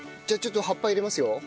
じゃあちょっと葉っぱ入れますよ。